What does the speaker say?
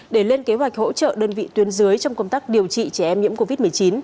để lên kế hoạch hỗ trợ đơn vị tuyến dưới trong công tác điều trị trẻ em nhiễm covid một mươi chín